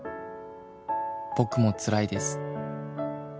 「僕もつらいです」